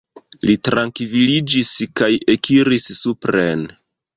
Li trankviliĝis kaj ekiris supren.